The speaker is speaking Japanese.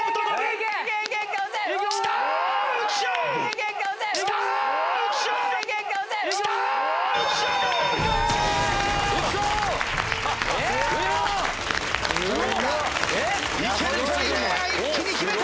いけると言いながら一気に決めた！